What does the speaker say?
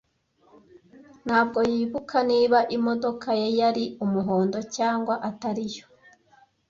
Ntabwo yibuka niba imodoka ye yari umuhondo cyangwa atariyo.